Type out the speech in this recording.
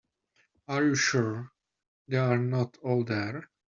Are you sure they are not all there?